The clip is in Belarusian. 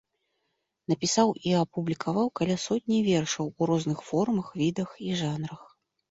Напісаў і апублікаваў каля сотні вершаў у розных формах, відах і жанрах.